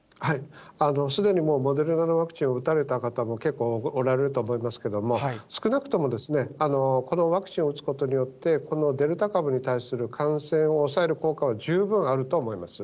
すでにもうモデルナのワクチンを打たれた方も結構おられると思いますけれども、少なくとも、このワクチンを打つことによって、このデルタ株に対する感染を抑える効果は十分あると思います。